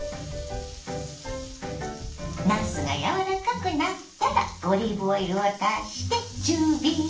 なすが柔らかくなったらオリーブオイルを足して中火に。